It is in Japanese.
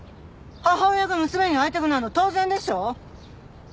母親が娘に会いたくなるのは当然でしょ！